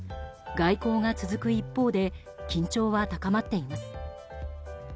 外交が続く一方で緊張は高まっています。